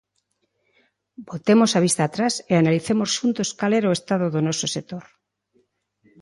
Botemos a vista atrás e analicemos xuntos cal era o estado do noso sector.